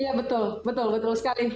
iya betul betul sekali